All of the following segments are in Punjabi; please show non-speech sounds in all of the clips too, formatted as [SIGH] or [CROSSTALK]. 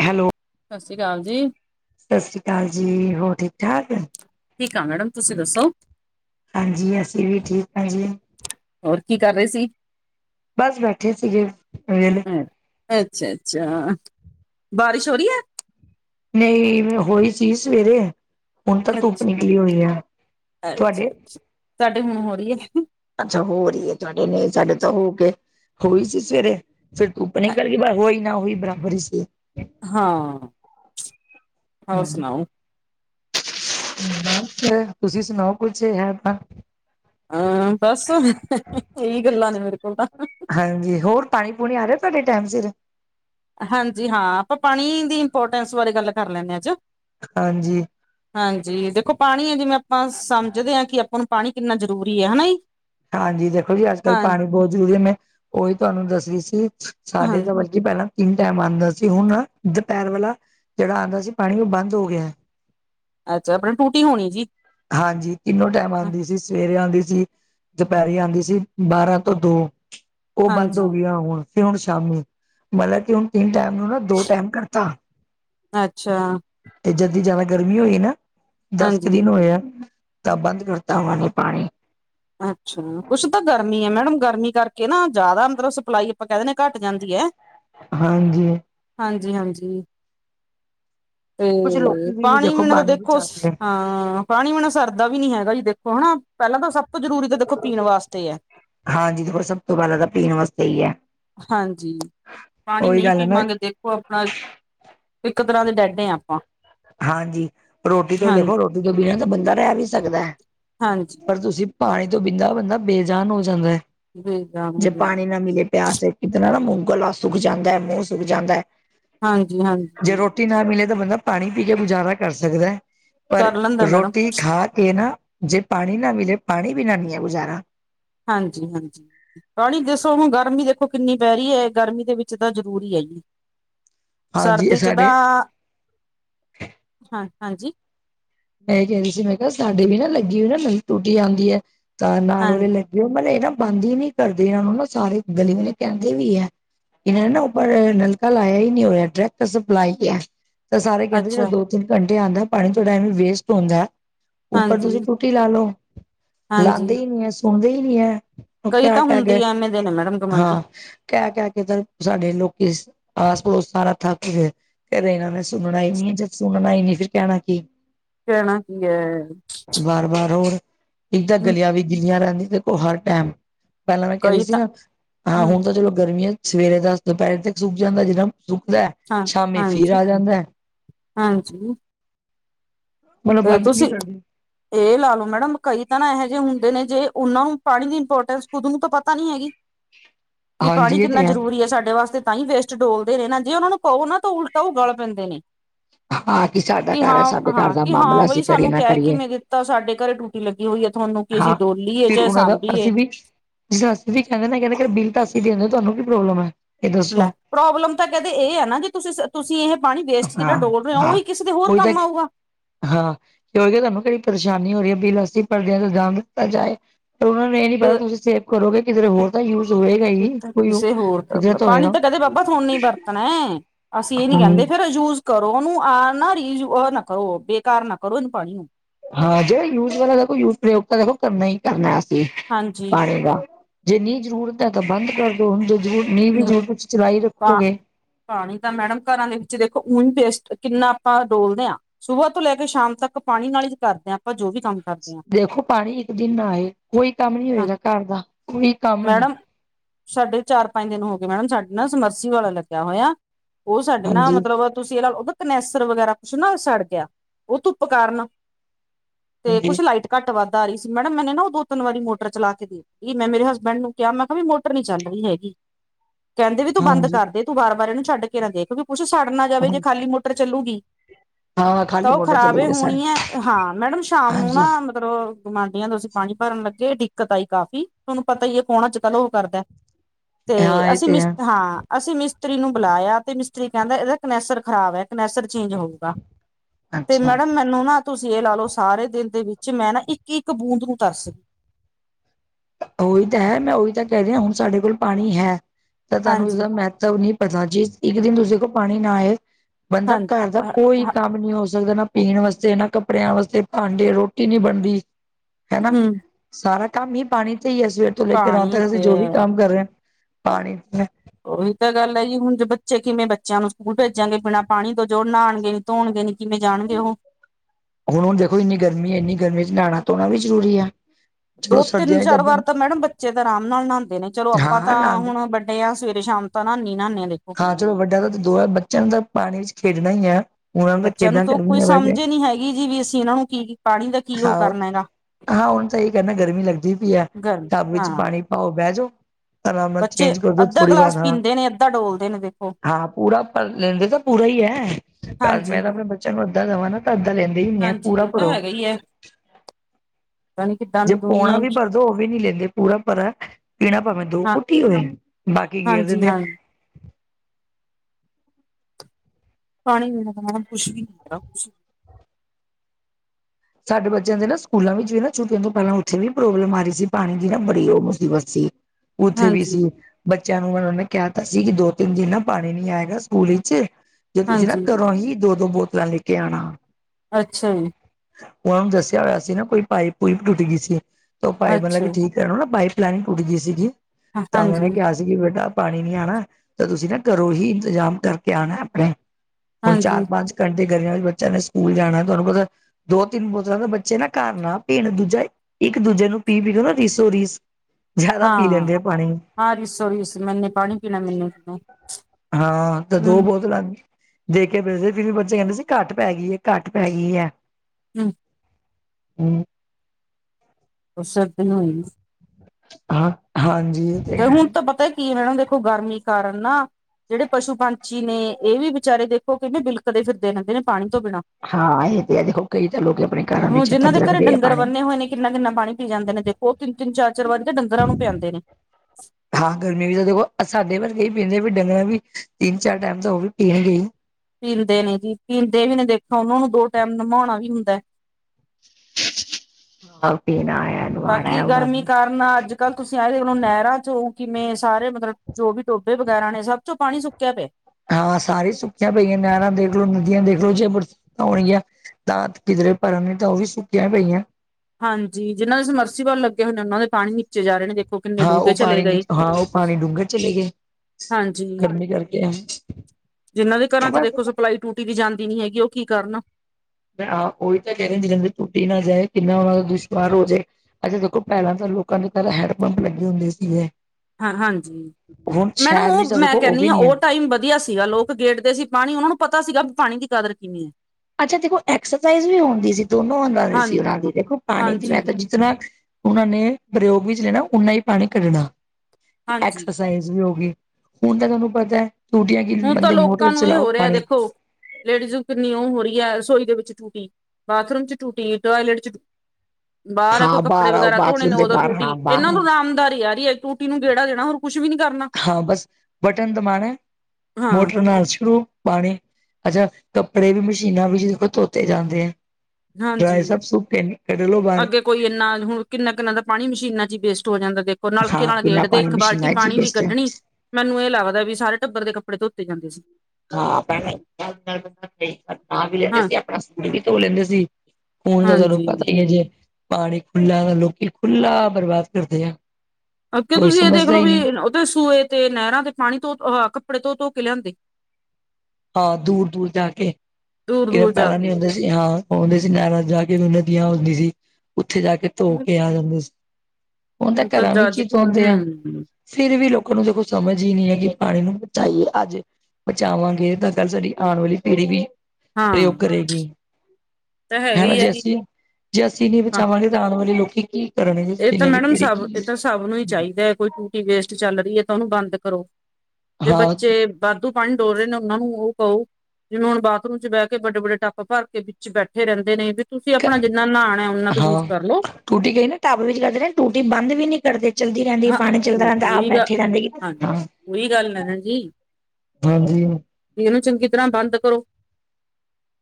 ਹੈਲੋ। ਸਤਿ ਸ਼੍ਰੀ ਅਕਾਲ ਜੀ। ਸਤਿ ਸ਼੍ਰੀ ਅਕਾਲ ਜੀ, ਹੋਰ ਠੀਕ ਠਾਕ? ਠੀਕ ਆ ਮੈਡਮ, ਤੁਸੀਂ ਦੱਸੋ? ਹਾਂਜੀ, ਅਸੀਂ ਵੀ ਠੀਕ ਆ ਜੀ। ਹੋਰ ਕੀ ਕਰ ਰੇ ਸੀ? ਬਸ ਬੈਠੇ ਸੀਗੇ ਵੇਹਲੇ। ਅ ਅੱਛਾ ਅੱਛਾ, ਬਾਰਿਸ਼ ਹੋ ਰੀ ਐ। ਨਈ, ਹੋਈ ਸੀ ਸਵੇਰੇ ਹੁਣ ਤਾਂ ਹੈ ਧੁੱਪ ਨਿਕਲੀ ਹੋਈ ਐ, ਤੁਹਾਡੇ? ਸਾਡੇ ਹੁਣ ਹੋ ਰੀ ਐ। ਅੱਛਾ ਹੋ ਰਹੀ ਐ ਤੁਹਾਡੇ, ਨੀ ਸਾਡੇ ਤੋਂ ਹੋ ਕੇ ਹੋਈ ਸੀ ਸਵੇਰੇ ਫਿਰ ਧੁੱਪ ਨਿਕਲ ਗਈ ਬਸ ਹੋਈ ਨਾ ਹੋਈ ਬਰਾਬਰ ਈ ਸੀ। ਹਾਂ, ਹੋਰ ਹੂੰ, ਸੁਣਾਓ? ਬਸ, ਤੁਸੀਂ ਸੁਣਾਓ ਕੁੱਛ ਹੈ ਤਾਂ। ਆਂ ਬਸ, ਇਹੀ ਗੱਲਾਂ ਨੇ ਮੇਰੇ ਕੋਲ ਤਾਂ ਹਾਂਜੀ, ਹੋਰ ਪਾਣੀ-ਪੂਣੀ ਆ ਰਿਹਾ ਏ, ਤੁਹਾਡੇ ਟਾਈਮ ਸਿਰ? ਹਾਂਜੀ ਹਾਂ, ਆਪਾਂ ਪਾਣੀ ਦੀ ਇੰਪੋਰਟੈਂਸ ਬਾਰੇ ਗੱਲ ਕਰ ਲੈਂਨੇ ਆਂ ਅੱਜ ਹਾਂਜੀ ਹਾਂਜੀ, ਦੇਖੋ ਪਾਣੀ ਐ ਜਿਵੇਂ ਆਪਾਂ ਸਮਝਦੇ ਆ ਕਿ ਆਪਾਂ ਨੂੰ ਪਾਣੀ ਕਿੰਨਾ ਜ਼ਰੂਰੀ ਐ ਹਨਾ ਜੀ ਹਾਂਜੀ, ਦੇਖੋ ਜੀ ਅੱਜ ਕੱਲ੍ਹ ਹਾਂ ਪਾਣੀ ਬਹੁਤ ਜ਼ਰੂਰੀ ਐ, ਮੈਂ ਉਹੀ ਤੁਹਾਨੂੰ ਦੱਸ ਰੀ ਸੀ ਹਾਂ ਸਾਡੇ ਤਾਂ ਪਹਿਲਾਂ ਤਿੰਨ ਟਾਈਮ ਆਂਦਾ ਸੀ, ਹੁਣ ਦਪਹਿਰ ਵਾਲਾ ਜਿਹੜਾ ਆਂਦਾ ਸੀ ਪਾਣੀ, ਉਹ ਬੰਦ ਹੋ ਗਿਆ। ਅੱਛਾ, ਆਪਣੇ ਟੂਟੀ ਹੋਣੀ ਜੀ? ਹਾਂਜੀ, ਤੀਣੋ ਟਾਈਮ ਆਂਦੀ ਸੀ ਸਵੇਰੇ ਆਂਦੀ ਸੀ। ਦਪਹਿਰੇ ਆਂਦੀ ਸੀ, ਬਾਰਾਂ ਤੋਂ ਦੋ ਉਹ ਬੰਦ ਹੋ ਹਾਂਜੀ ਗਿਆ ਹੁਣ ਫਿਰ ਹੁਣ ਸ਼ਾਮੀ, ਮਤਲਬ ਕਿ ਹੁਣ ਤਿੰਨ ਟੈਮ ਨੂੰ ਨਾ ਦੋ ਟੈਮ ਕਰਤਾ ਅੱਛਾ ਤੇ ਜਦੀ ਜਿਆਦਾ ਗਰਮੀ ਹੋਈ ਨਾ, ਦਸ ਕ ਹਾਂਜੀ ਦਿਨ ਹੋਏ ਆ ਤਾਂ ਬੰਦ ਕਰਤਾ, ਉਹਨਾਂ ਨੇ ਪਾਣੀ ਅੱਛਾ, ਕੁੱਛ ਤਾਂ ਗਰਮੀ ਐ ਮੈਡਮ ਗਰਮੀ ਕਰਕੇ ਨਾ, ਜਾਦਾ ਅੰਦਰੋਂ ਸਪਲਾਈ ਆਪਾਂ ਕਹਿ ਦਿੰਦੇ ਘੱਟ ਜਾਂਦੀ ਐ। ਹਾਂਜੀ ਹਾਂਜੀ, ਹਾਂਜੀ ਕੁੱਝ ਲੋਕੀ ਤੇ ਵੀ ਨੀ ਪਾਣੀ, ਵੀਨਾਂ ਦਾ ਦੇਖੋ, ਬਚਾਉਂਦੇ ਹਾਂ ਹਾਂ ਪਾਣੀ ਵੀਨਾ ਸਰਦਾ ਵੀ ਨੀ ਹੈਗਾ, ਜੀ ਦੇਖੋ ਹਨਾ ਪਹਿਲਾਂ ਤਾਂ ਸਭ ਤੋਂ ਜ਼ਰੂਰੀ ਤਾਂ ਦੇਖੋ ਪੀਣ ਵਾਸਤੇ ਐ। ਹਾਂਜੀ ਦੇਖੋਂ ਸਭ ਤੋਂ ਪਹਿਲਾਂ ਤਾਂ ਪੀਣ ਵਾਸਤੇ ਈ ਐ। ਹਾਂਜੀ, ਪਾਣੀ ਮੀਹ ਹੈ ਵੀ ਨਾ ਮਾਂਗਦੇ ਉਹ ਆਪਣਾ, ਇੱਕ ਤਰ੍ਹਾਂ ਦੇ ਡੈਡ ਐ ਆ ਆਪਾਂ ਹਾਂਜੀ, ਰੋਟੀ ਤੋਂ ਹਾਂ ਦੇਖੋ ਰੋਟੀ ਤੋਂ ਬਿਨਾਂ ਤਾਂ ਬੰਦਾ ਰਹਿ ਵੀ ਸਕਦਾ ਐ। ਹਾਂਜੀ ਪਰ ਤੁਸੀਂ ਪਾਣੀ ਤੋਂ ਬੀਦਾ ਬੰਦਾ ਬੇਜਾਨ ਹੋ ਜਾਂਦਾ ਐ। [INAUDIBLE] ਬਿਨਾਂ ਮਿਲੇ ਪਿਆਸ ਤੇ ਇੰਤਣਾ ਨਾ ਮੁੱਹ ਗਲਾ ਸੁਖ ਜਾਂਦਾ ਐ ਮੂੰਹ ਸੁਖ ਜਾਂਦਾ ਐ। ਹਾਂਜੀ, ਹਾਂਜੀ ਰੋਟੀ ਨਾ ਮਿਲੇ ਤਾਂ, ਬੰਦਾ ਪਾਣੀ ਪੀ ਕੇ ਗੁਜ਼ਾਰਾ ਕਰ ਸਕਦਾ ਐ। ਪਰ ਕਰ ਲੈਂਦਾ ਮੈਡਮ ਰੋਟੀ ਖਾ ਕੇ ਨਾ, ਜੇ ਪਾਨੀ ਨਾ ਮਿਲੇ, ਪਾਨੀ ਬਿਨਾਂ ਨੀਂ ਐ ਗੁਜਾਰਾ ਹਾਂਜੀ-ਹਾਂਜੀ। ਪਾਨੀ ਦੱਸੋ, ਹੁਨ ਗਰਮੀ ਦੇਖੋ ਕਿੰਨੀ ਪੈ ਰਈ ਐ, ਗਰਮੀ ਦੇ ਵਿੱਚ ਤਾਂ ਜਰੂਰੀ ਐ ਜੀ ਹਾਂਜੀ ਇਹ ਸਰਦੀ 'ਚ ਸਾਡੇ ਤਾਂ, ਹਾਂ, ਹਾਂਜੀ ਮੈਂ ਏਈ ਕੇ ਰਈ ਸੀ, ਮੈਂ ਕੇਆ ਸਾਡੇ ਵੀ ਨਾ ਲੱਗੀ ਹੋਈ ਨਾ ਨਵੀਂ ਟੂਟੀ ਆਂਦੀ ਐ, ਤੇ ਨਾਲ ਹਾਂ ਵਾਲੇ ਲੈ ਜੋ ਮਤਲਬ ਇਹ ਨਾ ਬੰਦ ਹੀ ਨੀ ਕਰਦੇ, ਇਹਨਾਂ ਨੂੰ ਨਾ ਸਾਰੇ, ਗਲੀ ਵਾਲੇ ਕਹਿੰਦੇ ਵੀ ਹੈ ਇਹਨਾਂ ਨੇ ਨਾ ਉਪਰ ਨਲਕਾ ਲਾਇਆ ਹੀ ਨਹੀਂ ਹੋਇਆ, ਡਾਇਰੈਕਟ ਸਪਲਾਈ ਹੈ। ਤਾਂ ਸਾਰੇ ਕਹਿੰਦੇ, ਜਿਹੜਾ ਅੱਛਾ ਦੋ-ਤਿੰਨ ਘੰਟੇ ਆਂਦਾ ਪਾਣੀ ਤੁਹਾਡਾ ਐਵੇਈ ਵੇਸਟ ਹੁੰਦਾ ਹੈ। ਉੱਪਰ ਤੁਸੀਂ ਹਾਂਜੀ ਟੁੱਟੀ ਲਾ ਲਓ, ਹਾਂਜੀ ਲਾਉਂਦੇ ਹੀ ਨਹੀਂ ਹੈ, ਸੁਣਦੇ ਹੀ ਨਹੀਂ ਹੈ। [UNINTELLIGIBLE] ਕਈ ਤਾਂ ਹੁੰਦੀ ਗਏ, ਐਵੇਂ ਦੇ ਨੇ ਮੈਡਮ ਗਵਾਂਢੀ ਹਾਂ ਕਹਿ -ਕਹਿ ਕੇ ਤਾਂ ਸਾਡੇ ਲੋਕੀ, ਆਸ-ਪੜੋਸ ਸਾਰਾ ਥੱਕ ਹੀ ਗਏ। ਫਿਰੇ ਇਹਨਾਂ ਨੇ ਸੁਣਨਾ ਹੀ ਨੀ, ਜਦ ਸੁਣਨਾ ਹੀ ਨੀ, ਫਿਰ ਕਹਿਣਾ ਕੀ ਕਹਿਣਾ ਕਿ ਹੈ ਵਾਰ- ਵਾਰ, ਹੋਰ! ਇੱਕ ਤਾਂ ਹਮ ਗਲੀਆਂ ਵੀ ਗਿੱਲੀਆਂ ਰਹਿੰਦੀ ਦੇਖੋ ਹਰ ਟੈਮ ਪਹਿਲਾਂ ਮੈਂ ਕਹਿ ਰਹੀ ਕਈ ਸੀ ਤਾਂ ਨਾ, ਹਾਂ! ਹਮ ਹੁਣ ਤਾਂ ਚਲੋ ਗਰਮੀਆਂ ਸਵੇਰੇ ਦਸ ਦੁਪਹਿਰੇ ਤੱਕ ਸੁੱਕ ਜਾਂਦਾ ਜਿਦਾ, ਸੁੱਕਦਾ ਹਾਂ! ਸ਼ਾਮੀ ਫਿਰ ਹਾਂਜੀ, ਆ ਜਾਂਦਾ ਹਾਂਜੀ ਮਤਲਬ ਤੇ ਬੰਦ ਨੀ ਤੁਸੀਂ ਕਰਦੀ। ਇਹ ਲਾ ਲੋ ਮੈਡਮ ਕਈ ਤਾਂ ਨਾ, ਇਹੋ ਜਿਹੇ ਹੁੰਦੇ ਨੇ ਜੇ ਉਹਨਾਂ ਨੂੰ ਪਾਣੀ ਦੀ ਇੰਪੋਰਟੈਂਸ ਖੁਦ ਨੂੰ ਤਾਂ ਪਤਾ ਨਹੀਂ ਹੈਗੀ, ਕਿ ਪਾਣੀ ਹਾਂਜੀ ਇਹ ਕਿੰਨਾ ਤੇ ਜ਼ਰੂਰੀ ਹੈ, ਸਾਡੇ ਵਾਸਤੇ ਤਾਂ ਹੀ ਵੇਸਟ ਚ ਡੋਲਦੇ ਨੇ ਨਾ। ਜੇ ਉਹਨਾ ਨੂੰ ਪਓ ਨਾ ਤਾਂ ਉਲਟਾ ਔ ਗਲ ਪੈਂਦੇ ਨੇ ਹਾਂ ਕਿ ਸਾਡਾ ਘਰ ਹੈ, ਸਾਡੇ ਘਰ ਦਾ ਮਾਮਲਾ ਹੈ, ਅਸੀਂ ਕਰਿਏ ਨਾ ਕਰੀਏ। ਇਕ ਤਾਂ ਸਾਡੇ ਘਰੇ ਟੂਟੀ ਲੱਗੀ ਹੋਈ ਹੈ। ਤੁਹਾਨੂੰ ਕਿ ਹਾਂ, ਅਸੀਂ ਡੋਲੀਏ ਫਿਰ ਚਾਹੇ ਉਹਨਾਂ ਦਾ ਸਾਂਭੀਏ ਅਸੀਂ ਵੀ ਜਿਸ ਤਰ੍ਹਾਂ ਅਸੀਂ ਵੀ ਕਹਿੰਦੇ ਨਾ ਕਹਿੰਦੇ ਕੇ ਬਿੱਲ ਤਾਂ ਅਸੀਂ ਦੇਣੇ ਹੈ ਤੁਹਾਨੂੰ ਕਿ ਪ੍ਰੋਬਲਮ ਹੈ? ਇਹ ਦੱਸੋ ਲੈ! ਪ੍ਰੋਬਲਮ ਤਾਂ ਕਹਿੰਦੇ ਇਹ ਹੈ ਨਾ ਕੇ ਤੁਸੀਂ ਸ ਤੁਸੀਂ ਇਹ ਪਾਣੀ ਵੇਸਟ ਹਾਂ ਜਿਦਾਂ ਡੋਲ ਰਹੇ ਹੋ। ਹਾਂ ਉਹੀ ਕਿਸੇ ਦੇ ਹੋਰ ਉਹੀ ਤਾਂ ਕੰਮ ਆਊਗਾ। ਹਾਂ, ਕਹੇਗਾ ਤੁਹਾਨੂੰ ਕਿਹੜੀ ਪਰੇਸ਼ਾਨੀ ਹੋ ਰਹੀ ਹੈ। ਬਿਲ ਅਸੀ ਭਰਦੇ ਆਂ ਤੇ ਦਮ ਦਿੱਤਾ ਜਾਏ ਪਰ ਉਹਨਾਂ ਨੂੰ ਇਹ ਨੀ ਪਤਾ ਤੁਸੀਂ ਸੇਵ ਕਰੋਗੇ ਕਿਧਰੇ ਹੋਰ ਤਾਂ ਯੂਜ ਹੋਏਗਾ ਹੀ। ਕੋਈ ਤੇ ਹੋਰ ਪ ਕਿਧਰੇ -ਪ -ਪਾਣੀ ਹੋਏਗਾ ਤਾਂ ਕਹਿੰਦੇ ਬਾਬਾ ਤੁਹਾਨੇ ਹੀ ਵਰਤਣਾ ਏ। ਅਸੀਂ ਇਹ ਨੀ ਹਾਂ ਕਹਿੰਦੇ ਫੇਰ ਏ ਯੂਜ਼ ਕਰੋ ਨੂੰ ਆ ਨਾ ਰੀਜ਼, ਉਹ ਨਾ ਕਰੋ, ਬੇਕਾਰ ਨਾ ਕਰੋ ਇਹ ਪਾਣੀ ਨੂੰ। ਹਾਂ, ਜਿਹੜਾ ਯੂਜ ਵਾਲਾ ਦੇਖੋ ਯੂਜ ਪ੍ਰਯੋਗ ਤਾਂ ਦੇਖੋ ਕਰਨਾ ਹੀ ਕਰਨਾ ਅਸੀਂ, ਹਾਂਜੀ ਪਾਣੀ ਦਾ ਜੇ ਨੀਂਹ ਜ਼ਰੂਰਤ ਹੈ ਤਾਂ ਬੰਦ ਕਰ ਦੋ। ਹੁਣ ਜੇ ਜ਼ਰੂਰਤ ਨੀਂਹ ਵੀ ਹੇ। ਜੋ ਕੁਛ ਚਲਾਈ ਪਾ ਰੱਖੋਗੇ! ਪਾਣੀ ਤਾਂ ਮੈਡਮ ਘਰਾਂ ਦੇ ਵਿੱਚ ਦੇਖੋ ਊਂਝ ਵੇਸਟ ਕਿੰਨਾ ਆਪਾਂ ਡੋਲਦੇ ਹਾਂ ਸੁਬਹ ਤੋਂ ਲੈ ਕੇ ਸ਼ਾਮ ਤੱਕ ਪਾਣੀ ਨਾਲ ਹੀ ਕਰਦੇ ਹਾਂ ਆਪਾਂ ਜੋ ਵੀ ਕੰਮ ਕਰਦੇ ਦੇਖੋ ਪਾਣੀ ਇੱਕ ਦਿਨ ਨਾ ਆਏ, ਕੋਈ ਕੰਮ ਨੀ ਹਾਂ ਹੋਏਗਾ ਘਰ ਦਾ। ਕੋਈ ਕੰਮ ਨਹੀਂ ਮੈਡਮ ਸਾਡੇ ਚਾਰ-ਪੰਜ ਦਿਨ ਹੋ ਗਏ, ਮੈਡਮ ਸਾਡੇ ਨਾ ਸਮਰਸੀਬਲ ਲੱਗਿਆ ਹੋਇਆ। ਉਹ ਸਾਡੇ ਨਾ ਹਾਂਜੀ ਮਤਲਬ ਤੁਸੀਂ ਇਹਦਾ ਉਹਦਾ ਕਨੈਸਰ ਵਗੈਰਾ ਕੁਛ ਨਾ ਸੜ ਗਿਆ। ਉਹ ਧੁੱਪ ਕਾਰਨ ਤੇ ਹਾਂਜੀ ਕੁੱਛ ਲਾਈਟ ਘੱਟ- ਵੱਧ ਆ ਰਹੀ ਸੀ। ਮੈਡਮ ਮੈਨੇ ਨਾ ਉਹ ਦੋ-ਤਿੰਨ ਵਾਰੀ ਮੋਟਰ ਚਲਾ ਕੇ ਦੇਖ ਵੀ ਮੈਂ ਮੇਰੇ ਹਸਬੈਂਡ ਨੂੰ ਕਿਹਾ, ਮੈਂ ਕਿਹਾ ਵੀ ਮੋਟਰ ਨਹੀਂ ਚੱਲ ਰਹੀ ਹੈਗੀ ਕਹਿੰਦੇ ਵੀ ਤੂੰ ਬੰਦ ਹਾਂਜੀ ਕਰ ਦੇ, ਤੂੰ ਵਾਰ-ਵਾਰ ਇਹਨੂੰ ਛੱਡ ਕੇ ਨਾਂ ਦੇਖ। ਵੀ ਕੁਛ ਸੜ ਨਾ ਜਾਵੇ ਜੇ ਖਾਲੀ ਮੋਟਰ ਚੱਲੂਗੀ ਹਾਂ ਖਾਲੀ ਤਾਂ ਉਹ ਮੋਟਰ ਖ਼ਰਾਬ ਚਲੇ ਹੀ ਗਏ ਸਾਡੇ ਹੋਣੀ ਹੈ। ਹਾਂ, ਮੈਡਮ ਸ਼ਾਮ ਨੂੰ ਨਾ ਹਾਂਜੀ ੋਂ ਗੁਆਂਢੀਆਂ ਦਾ ਅਸੀਂ ਪਾਣੀ ਭਰਨ ਲੱਗੇ, ਦਿੱਕਤ ਆਈ ਕਾਫ਼ੀ, ਤੁਹਾਨੂੰ ਪਤਾ ਹੀ ਐ ਕੋਣ ਅੱਜ -ਕੱਲ ਉਹ ਕਰਦਾ ਤੇ ਹਾਂ ਇਹ ਅਸੀਂ ਤੇ ਮਿਸ, ਹੈ ਹਾਂ ਅਸੀਂ ਮਿਸਤਰੀ ਨੂੰ ਬੁਲਾਇਆ ਤੇ ਮਿਸਤਰੀ ਕਹਿੰਦਾ ਇਹਦਾ ਕਨੈਸਰ ਖਰਾਬ ਹੈ ਕਨੇਸਰ ਚੇਂਜ ਹੋਊਗਾ। ਤੇ ਅੱਛਾ ਮੈਡਮ ਮੈਂ ਮੈਨੂੰ ਨਾ ਤੁਸੀਂ ਇਹ ਲਾ ਲਓ ਸਾਰੇ ਦਿਨ ਦੇ ਵਿੱਚ ਮੈਂ ਨਾ ਇੱਕ- ਇੱਕ ਬੂੰਦ ਨੂੰ ਤਰਸ ਉਹੀ ਤਾਂ ਹੈ, ਮੈਂ ਉਹੀ ਤਾਂ ਕਹਿ ਰਿਹਾ ਹੁਣ ਸਾਡੇ ਕੋਲ ਪਾਣੀ ਹੈ। ਤਾਂ ਤੁਹਾਨੂੰ ਹਾਂਜੀ ਇਸਦਾ ਮਹੱਤਵ ਨਹੀਂ ਪਤਾ। ਜੇ ਇੱਕ ਦਿਨ ਤੁਸੀ ਦੇਖੋ ਪਾਣੀ ਨਾ ਆਏ। ਬੰਦਾ ਹਾਂਜੀ ਘਰ ਦਾ ਕੋਈ ਕੰਮ ਨਹੀਂ ਹੋ ਸਕਦਾ। ਨਾ ਪੀਣ ਵਾਸਤੇ, ਨਾ ਕੱਪੜਿਆਂ ਵਾਸਤੇ, ਭਾਂਡੇ, ਰੋਟੀ ਨੀ ਬਣਦੀ, ਹਨਾ! ਹਮ ਸਾਰਾ ਕੰਮ ਹੀ ਪਾਣੀ ਤੇ ਹੀ ਹੈ ਸਵੇਰ ਤੋਂ ਲੈ ਕੇ ਰਾਤ ਪਾਣੀ ਤੱਕ ਅਸੀਂ ਤੇ ਜੋ ਵੀ ਕੰਮ ਕਰ ਰਹੇ ਹਾਂ। ਪਾਣੀ ਤੇ ਉਹੀ ਤਾਂ ਗੱਲ ਹੈ, ਜੀ ਹੁਣ ਬੱਚੇ ਕਿਵੇਂ ਬੱਚਿਆਂ ਨੂੰ ਸਕੂਲ ਭੇਜਾਂਗੇ ਬਿਨਾਂ ਪਾਣੀ ਤੋਂ ਜੋੜ ਨਹਾਉਣਗੇ ਧੋਣਗੇ ਨਹੀਂ ਕਿਵੇਂ ਜਾਣਗੇ ਉਹ? ਹੁਣ-ਹੁਣ ਦੇਖੋ ਇੰਨੀ ਗਰਮੀ ਹੈ। ਇੰਨੀ ਗਰਮੀ ਚ ਨਹਾਣਾ- ਧੋਣਾ ਵੀ ਜ਼ਰੂਰੀ ਆ ਦੋ-ਤਿੰਨ-ਚਾਰ ਵਾਰ ਤਾਂ ਮੈਡਮ ਬੱਚੇ ਤਾਂ ਆਰਾਮ ਨਾਲ ਨਹਾਾਂਉਦੇ ਨੇ। ਚਲੋ ਆਪਾਂ ਤਾਂ ਹਾਂ ਨਹਾਂਦੇ ਹੁਣ ਵੱਡ ਡੇ ਆ ਸਵੇਰੇ ਸ਼ਾਮ ਤਾਂ ਨਹਾਨੇ ਹੀ ਨਹਾਨੇ ਹਾਂ ਦੇਖੋ ਹਾਂ ਚਲੋ ਵੱਡੇਆਂ ਦਾ ਤਾਂ ਦੋ ਹੈ, ਬੱਚਿਆਂ ਨੂੰ ਤਾਂ ਪਾਣੀ ਵਿੱਚ ਖੇਡਣਾ ਹੀ ਏ ਬੱਚਿਆਂ ਨੂੰ ਤੋ ਕੋਈ ਸਮਝ ਹੀ ਨੀ ਹੈਗੀ, ਜੀ ਵੀ ਅਸੀਂ ਇਹਨਾਂ ਨੂੰ ਕੀ ਪਾਣੀ ਦਾ ਕੀ ਉਹ ਹਾਂ ਕਰਨਾ ਹੈਗਾ ਹਾਂ ਹੁਣ ਤਾਂ ਇਹੀ ਕਹਨਾ ਗਰਮੀ ਲੱਗਦੀ ਪਈ ਏ। ਗਰਮੀ ਟਬ ਵਿੱਚ ਹਾਂ ਪਾਣੀ ਪਾਓ ਬਹਿ ਜਾਓ ਅਰਾਮ ਨਾਲ ਚੇਂਜ ਕਰ ਦੋ ਥੋੜੀ ਵਾਦਾ। ਤਾ ਡੋਲਦੇ ਨੇ ਦੇਖੋ ਹਾਂ ਪੂਰਾ ਪਰ ਲੈਂਦੇ ਤਾਂ ਪੂਰਾ ਈ ਏ ਤਾਂ ਹਾਂਜੀ ਆਪਣੇ ਬੱਚਿਆਂ ਨੂੰ ਅੱਧਾ ਦੇਵਾਂ ਨਾ ਤਾਂ ਅੱਧਾ ਲੈਂਦੇ ਹੀ ਨੀ ਹੈ ਹਾਂਜੀ ਪੂਰਾ ਉਹ ਤਾਂ ਭਰੋ ਹੈਗਾ ਹੀ ਹੈ ਪਤਾ ਨੀ ਕਿੱਦਾਂ ਜੇ ਦੀ ਦੁਨੀਆਂ ਪੋਣਾ ਵੀ ਹੈਗੀ ਭਰਦੋ ਉਹ ਵੀ ਨੀ ਲੈਂਦੇ ਪੂਰਾ ਭਰਾ ਪੀਣਾ ਭਾਵੇਂ ਦੋ ਹਾਂ ਘੁਟ ਈ ਹੋਵੇ ਬਾਕੀ ਗੇਰ ਹਾਂਜੀ ਦੇੰਦੇ ਆ ਹਾਂਜੀ ਪਾਣੀ ਨੀ ਹੈਗਾ। ਕੁਛ ਵੀ ਨੀ ਹੈਗਾ ਕੁਛ ਸਾਡੇ ਬੱਚਿਆਂ ਦੇ ਨਾ ਸਕੂਲਾਂ ਵਿੱਚ ਵੀ ਨਾ, ਛੁੱਟੀਆਂ ਤੋਂ ਪਹਿਲਾਂ ਉੱਥੇ ਵੀ ਪ੍ਰੋਬਲਮ ਆ ਰਹੀ ਸੀ, ਪਾਣੀ ਦੀ ਨਾ ਬੜੀ ਉਹ ਮੁਸੀਬਤ ਸੀ ਉੱਥੇ ਵੀ ਹਾਂਜੀ ਸੀ‌‌, ਬੱਚਿਆਂ ਨੂੰ ਉਹਨਾਂ ਨੇ ਕਿਹ ਤਾ ਸੀ, ਕਿ ਦੋ-ਤਿੰਨ ਦਿਨ ਨਾ ਪਾਣੀ ਨੀ ਆਏਗਾ ਸਕੂਲ ਵਿੱਚ ਜੇ ਤੁਸੀਂ ਨਾ ਹਾਂਜੀ ਘਰੋਂ ਹੀ ਦੋ-ਦੋ ਬੋਤਲਾਂ ਲੈ ਕੇ ਆ਼ਣਾ ਅੱਛਾ ਜੀ। ਉਹਨਾਂ ਨੂੰ ਦੱਸਿਆ ਹੋਇਆ ਸੀ ਨਾ ਕੋਈ ਪਾਈਪ ਪੁਪ ਟੁੱਟ ਗਈ ਸੀ। ਤੇ ਉਹ ਪਾਈਪ ਅੱਛਾ ਮਤਲਬ ਕਿ ਜੀ ਠੀਕ ਥਲੋਆਂ ਨਾ ਪਾਈਪ ਲਾਈਨ ਟੁਟ ਗਈ ਸੀਗੀ, ਹਾਂ- ਤਾਂ ਉਹਨਾਂ ਨੇ ਹਾਂਜੀ ਕਿਹਾ ਅਜ ਬੇਟਾ ਪਾਣੀ ਨੀ ਆਉਣਾ, ਤਾਂ ਤੁਸੀਂ ਨਾ ਘਰੋਂ ਹੀ ਇੰਤਜ਼ਾਮ ਕਰਕੇ ਆਉਣਾ ਆਪਣੇ। ਹੁਣ ਹਾਂਜੀ ਚਾਰ ਪੰਜ ਘੰਟੇ ਗਰਮੀਆਂ ਵਿੱਚ ਬੱਚਿਆਂ ਨੇ ਸਕੂਲ ਜਾਣਾ ਤੁਹਾਨੂੰ ਪਤਾ ਦੋ ਤਿੰਨ ਬੋਤਲਾਂ ਦੇ ਬੱਚੇ ਨਾ ਘਰ ਨਾ ਪੀਣ, ਦੂਜਾ ਇੱਕ ਦੂਜੇ ਨੂੰ ਪੀ ਪੀ ਕੇ ਨਾ ਰੀਸੋ ਰੀਸ ਜ਼ਿਆਦਾ ਪੀ ਹਾਂ ਲੈਂਦੇ ਆ ਪਾਣੀ। ਮੈਨੇ ਪਾਣੀ ਪੀਣਾ ਮੈਨੂੰ [UNINTELLIGIBLE] ਹਾਂ, ਤੇ ਦੋ ਬੋਤਲਾਂ ਦੇ ਕੇ ਵੇਖਦੇ ਫਿਰ ਵੀ ਬੱਚਿਆਂ ਨੂੰ ਘੱਟ ਪੈ ਗਈਏ ਘੱਟ ਪੈ ਗਈ ਏ। ਹਮ [UNINTELLIGIBLE] ਹੂਂ। ਦਸ ਦਿਨ ਹੋਈ [UNINTELLIGIBLE] ਹਾਂ, ਹਾਂਜੀ। ਤੇ ਹੁਣ ਤਾਂ ਪਤਾ ਕੀ ਹੋਇਆ, ਦੇਖੋ ਗਰਮੀ ਕਾਰਨ ਨਾ ਜਿਹੜੇ ਪਸ਼ੂ ਪੰਛੀ ਨੇ, ਇਹ ਵੀ ਵਿਚਾਰੇ ਦੇਖੋ ਕਿਵੇਂ ਬਿਲਕਦੇ ਫਿਰਦੇ ਰਹਿੰਦੇ ਨੇ ਪਾਣੀ ਤੋਂ ਬਿਨਾਂ। ਹਾਂ ਇਹ ਤੇ ਦੇਖੋ ਕਈ ਤਾਂ ਲੋਕ ਆਪਣੇ ਘਰਾਂ ਦੀ ਹੁਣ ਜਿਹਨਾਂ ਛੱਤਾਂ ਚ ਦੇ ਘਰੇ ਰੱਖਦੇ ਆ ਡੰਗਰ ਪਾਣੀ ਵੰਨੇ ਹੋਏ ਨੇ, ਕਿੰਨਾ ਕਿੰਨਾ ਪਾਣੀ ਪੀ ਜਾਂਦੇ ਨੇ, ਦੇਖੋ ਤਿੰਨ -ਤਿੰਨ ਚਾਰ- ਚਾਰ ਵਾਰੀ ਤਾਂ ਡੰਗਰਾਂ ਨੂੰ ਪਿਆਂਦੇ ਨੇ। ਹਾਂ ਗਰਮੀ ਵੀ ਤਾਂ ਦੇਖੋ ਸਾਦੇ ਪਰ ਹੀ ਪੀਂਦੇ ਵੀ ਡੰਗਰਾਂ ਵੀ ਤਿੰਨ ਚਾਰ ਟਾਈਮ ਤਾਂ ਉਹ ਵੀ ਪੀਣਗੇ ਹੀ। ਪੀਂਦੇ ਨੇ ਜੀ ਪੀਂਦੇ ਵੀ ਨੇ ਦੇਖੋ, ਉਹਨਾਂ ਨੂੰ ਦੋ ਟਾਈਮ ਨਿਵਉਣਾ ਵੀ ਹੁੰਦਾ। ਹਹ ਪੀਨਾ ਆਇਆ [UNINTELLIGIBLE] ਬਾਕੀ ਗਰਮੀ ਕਾਰਨ ਅੱਜ ਕੱਲ੍ਹ ਤੁਸੀਂ ਆਏ, ਦੇਖਲੋ ਨਹਿਰਾਂ ਚ ਹੋ ਕਿਵੇਂ ਸਾਰੇ ਮਤਲਬ ਜੋ ਵੀ ਟੋਭੇ ਵਗੈਰਾ ਨੇ ਸਭ ਚ ਪਾਣੀ ਸੁੱਕਿਆ ਪਿਆ। ਹਾਂ ਸਾਰੇ ਸੁੱਕੀਆਂ ਪਈਆਂ ਨਹਿਰਾਂ ਦੇਖ ਲੋ ਨਦੀਆਂ ਦੇਖ ਲੋ ਜੇ ਬਰਾਂ ਹੋਣਗੀਆਂ। ਦਾਤ ਕਿਧਰੇ ਭਰਨ ਤਾਂ ਉਹ ਵੀ ਸੁੱਕੀਆਂ ਪਈਆਂ। ਹਾਂਜੀ। ਜਿਹਨਾਂ ਦੇ ਸਮਰਸੀਵੱਲ ਲੱਗੇ ਹੋਏ ਨੇ ਉਹਨਾਂ ਦੇ ਪਾਣੀ ਨੀਚੇ ਜਾ ਰਹੇ ਨੇ ਦੇਖ ਹਾਂ ਓ ਪਾਨੀ ਹਾਂ ਓ ਪਾਨੀ ਡੂੰਘੇ ਚਲੇ ਗਏ। ਹਾਂਜੀ, ਗਰਮੀ ਕਰਕੇ ਜਿੰਨਾਂ ਦੇ ਘਰਾਂ ਚ ਦੇਖੋ ਹਾਂ ਸਪਲਾਈ ਟੂਟੀ ਦੀ ਜਾਂਦੀ ਨੀ ਹੈਗੀ ਓ ਕੀ ਕਰਨ ਆਹ ਓਈ ਤਾਂ ਕੈਂਦੇ ਨੇ ਜਿਨਾਂ ਦੇ ਟੂਟੀ ਨਾ ਜਾਏ ਓਨਾਂ ਦਾ ਦੁਸ਼ਵਾਰ ਹੋ ਜਾਏ। ਅੱਛਾ ਦੇਖੋ ਪੈਲਾਂ ਤਾਂ ਲੋਕਾਂ ਦੇ ਘਰ ਹੈਂਡ ਪੰਪ ਲੱਗੇ ਹੁੰਦੇ ਸੀਗੇ। ਹਾਂ ਹਾਂਜੀ, ਹੁਣ ਮੈਡਮ ਸ਼ਹਿਰ ਓ ਵਿੱਚ ਤਾਂ ਮੈਂ ਦੇਖੋ ਉਹ ਕੈਨੀ ਵੀ ਆਂ ਨੀ ਓ ਹੈ ਟਾਈਮ ਵਦੀਆ ਸੀ। ਸੀਗਾ ਲੋਕ ਗੇੜਦੇ ਸੀ ਪਾਨੀ ਓਨਾਂ ਨੂੰ ਪਤਾ ਸੀਗਾ ਵੀ ਪਾਨੀ ਦੀ ਕਦਰ ਕਿਵੇਂ ਐ। ਅੱਛਾ ਦੇਖੋ ਐਕਸਰਸਾਈਜ਼ ਵੀ ਹੁੰਦੀ ਸੀ ਦੋਨੋ ਹੁੰਦਾ ਦੀ ਹਾਂ ਸੀ ਓਨਾਂ ਦੀ ਦੇਖੋ ਪਾਨੀ ਦੀ ਮੈਂ ਹਾਂਜੀ ਤਾਂ ਜ ਜਿਨਾ ਓਨਾਂ ਨੇ ਪ੍ਰਯੋਗ ਵਿੱਚ ਲੈਨਾ ਓਨਾ ਈ ਪਾਨੀ ਕੱਢਨਾ। ਹਾਂਜੀ। ਐਕਸਰਸਾਈਜ਼ ਵੀ ਹੋਗੀ, ਹੁਨ ਤਾਂ ਤਾਨੂੰ ਪਤਾ ਟੂਟੀਆਂ ਕੀ ਹੁਣ ਤਾਂ ਬੰਦੇ ਮੋਟਰ ਲੋਕਾਂ ਨੂੰ ਇਹ ਚਲਾਓ ਹੋ ਰਿਹਾ ਪਾਨੀ ਦੇਖੋ ਲੇਡੀਜ਼ ਨੂੰ ਕਿੰਨੀ ਓ ਹੋ ਰਈ ਐ ਰਸੋਈ ਦੇ ਵਿੱਚ ਟੂਟੀ ਬਾਥਰੂਮ ਚ ਟੂਟੀ ਟੋਇਲਟ ਚ ਟੂ ਬਾਰ ਐ ਹਾਂ ਕੋਈ ਕੱਪੜੇ ਬਾਹਰ ਆਓ ਵਗੈਰਾ ਧੋਨੇ ਬਾਥਰੂਮ ਨੇ ਦੇ ਓਦੋਂ ਬਾਹਰ ਟੂਟੀ ਹਾਂ ਏਨਾਂ ਬਾਹਰ ਨੂੰ ਰਾਮਦਾਰੀ ਆਰੀ ਐ ਟੂ ਟੂਟੀ ਨੂੰ ਗੇੜਾ ਦੇਨਾ ਹੋਰ ਕੁਛ ਵੀ ਨੀ ਕਰਨਾ। ਹਾਂ ਬਸ ਬਟਨ ਦਮਾਨੈ, ਹਾਂ ਮੋਟਰ ਨਾਲ ਸ਼ੁਰੂ ਪਾਨੀ, ਅੱਛਾ ਕੱਪੜੇ ਵੀ ਮਸ਼ੀਨਾਂ ਵਿੱਚਦੀ ਦੇਖੋ ਧੋਤੇ ਜਾਂਦੇ ਐ। ਹਾਂਜੀ ਡਰਾਏ ਸਬ ਸੁੱਕ ਗਏ ਨੇ ਕੱਢ ਲੋ ਬਾਰ। ਅੱਗੇ ਕੋਈ ਏਨਾ ਹੁਨ ਕਿੰਨਾ-ਕਿੰਨਾ ਦਾ ਪਾਨੀ ਮਸ਼ੀਨਾਂ ਚ ਈ ਵੇਸਟ ਹੋ ਜਾਂਦਾ ਦੇਖ ਓ ਨਲਕੇ ਹਾਂ ਨਾਲ ਕਿੰਨਾ ਗੇੜਦੇ ਪਾਣੀ ਇੱਕ ਬਾਲਟੀ ਮਸ਼ੀਨਾਂ ਚ ਹੀ ਪਾਨੀ ਦੀ ਵੇਸਟ ਹੈ ਕੱਢਨੀ ਮੈਨੂੰ ਏ ਲੱਗਦਾ ਵੀ ਸਾਰੇ ਟੱਬਰ ਦੇ ਕੱਪੜੇ ਧੋਤੇ ਜਾਂਦੇ ਸੀ। ਹਾਂ ਭੈਨੇ ਨਾ ਵੀ ਲੈਂਦੇ ਹਾਂ ਸੀ ਆਪਨਾ ਸੂਟ ਵੀ ਧੋ ਲੈਂਦੇ ਸੀ। ਹੁਨ ਦਾ ਤੁਆਨੂੰ ਹਾਂਜੀ ਪਤਾ ਈ ਐ ਜੇ ਪਾਨੀ ਖੁਲਾ ਤਾਂ ਲੋਕੀ ਖੁੱਲਾ ਬਰਬਾਦ ਕਰਦੇ ਆ। ਅੱਗੇ ਕੋਈ ਤੁਸੀਂ ਏ ਦੇਖ ਸਮਝਦਾ ਲੋ ਹੀ ਵੀ ਨਹੀਂ ਓਤੇ ਸੂਏ ਤੇ ਨੈਰਾਂ ਤੇ ਪਾਨੀ ਧੋ ਕੱਪੜੇ ਧੋ-ਧੋ ਕੇ ਲਿਆਂਦੇ ਹਾਂ ਦੂਰ-ਦੂਰ ਜਾ ਕੇ, ਦੂਰ ਕਿਤੇ ਦੂਰ ਜਾ ਪੈਲਾਂ ਕੇ ਨੀ ਹੁੰਦੇ ਸੀ ਹਾਂ ਔਂਦੇ ਸੀ ਨੈਰਾਂ ਜਾ ਕੇ ਓਨਾਂ ਨਦੀਆਂ ਹੁੰਦੀ ਸੀ, ਓਥੇ ਜਾ ਕੇ ਧੋ ਕੇ ਆ ਜਾਂਦੇ ਸੀ। ਹੁਨ ਤਾਂ ਘਰਾਂ ਵਿੱਚ ਜੱਜ ਈ ਧੋਂਦੇ ਆ। ਹਮ ਫਿਰ ਵੀ ਲੋਕਾਂ ਨੂੰ ਦੇਖੋ ਸਮਝ ਈ ਨਈਂ ਹੈਗੀ ਕੇ ਪਾਨੀ ਨੂੰ ਬਚਾਈਏ ਅੱਜ ਬਚਾਵਾਂਗੇ ਕੱਲ ਸਾਡੀ ਆਨ ਵਾਲੀ ਪੀੜੀ ਵੀ ਹਾਂ ਪ੍ਰਯੋਗ ਕਰੇਗੀ, ਤਾਂ ਹੈਗਾ ਹਨਾ ਹੀ ਹੈ ਜੇ ਜੀ ਅਸੀਂ ਜੇ ਅਸੀਂ ਨੀ ਬਚਾਵਾਂਗੇ ਤਾਂ ਆਨ ਵਾਲੇ ਲੋਕੀ ਕੀ ਕਰਨਗੇ ਏ ਸਾਡੀ ਤਾਂ ਨਵੀਂ ਮੈਡਮ ਪੀੜ੍ਹੀ ਸਬ ਏ ਕੀ ਤਾਂ ਸਬ ਨੂੰ ਈ ਚਾਈਦਾ ਐ ਕੋਈ ਟੂਟੀ ਵੇਸਟ ਚੱਲ ਰੀ ਐ ਤਾਂ ਓਨੂੰ ਬੰਦ ਕਰੋ, ਜੇ ਹਾਂ ਬੱਚੇ ਵਾਧੂ ਪਾਨੀ ਡੋਲ ਰਏ ਨੇ ਓਨਾਂ ਨੂੰ ਓ ਕਓ। ਜਿਵੇਂ ਹੁਨ ਬਾਥਰੂਮ ਚ ਬੈ ਕੇ ਵੱਡੇ-ਵੱਡੇ ਟੱਪ ਭਰਕੇ ਵਿੱਚ ਬੈਠੇ ਰੈਂਦੇ ਨੇ ਤੁਸੀਂ ਆਪਨਾ ਜਿੰਨਾ ਕ ਨਾਨੈ ਓਨਾ ਕ ਯੂਜ ਹਾਂ ਕਰਲੋ। ਟੂਟੀ ਗਈ ਨਾ ਟੱਬ ਵਿਚ ਲੱਗ ਰੇਆ ਟੂਟੀ ਬੰਦ ਵੀ ਨੀ ਕਰਦੇ ਚੱਲਦੀ ਰੈਂਦੀ ਐ ਹਾਂ ਪਾਨੀ ਚੱਲਦਾ ਰੈਂਦਾ ਆਪ ਉਹੀ ਗੱਲ ਬੈਠੇ ਰੈਂਦੇ, ਹਾਂਜੀ ਹਾਂ। ਉਹੀ ਗੱਲ ਹੈ ਹਾਂਜੀ। ਏਨੂੰ ਚੰਗੀ ਤਰਾਂ ਬੰਦ ਕਰੋ।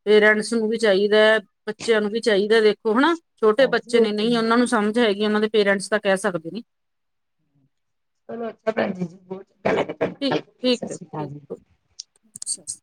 ਪੇਰੈਂਟਸ ਨੂੰ ਵੀ ਚਾਈਦੈ, ਬੱਚਿਆਂ ਨੂੰ ਵੀ ਚਾਈਦੈ ਦੇਖੋ ਹਨਾ ਛੋਟੇ ਬੱਚੇ ਉਹ ਨੇ ਤੇ ਨਈਂ ਓਨਾਂ ਨੂੰ ਸਮਝ ਹੈਗੀ ਓਨਾਂ ਦੇ ਪੇਰੈਂਟਸ ਤਾਂ ਕੈ ਸਕਦੇ ਨੇ। ਚਲੋ ਅੱਛਾ ਭੈਨ ਜੀ-ਜੀ ਬਹੁ ਚੰਗਾ ਲੱਗੇਆ ਠੀਕ-ਠੀਕ ਓ ਠੀਕ ਓ, ਸਸ